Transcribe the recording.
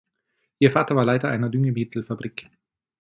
Ihr Vater war Leiter einer Düngemittelfabrik.